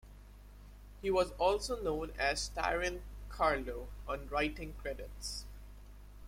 He was also known as Tyran Carlo on writing credits.